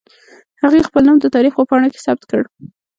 هغې خپل نوم د تاریخ په پاڼو کې ثبت کړ